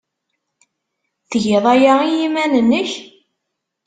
Tgiḍ aya i yiman-nnek?